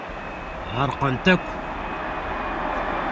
Ɛerqent-ak.